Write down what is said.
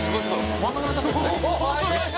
止まんなくなっちゃってますね。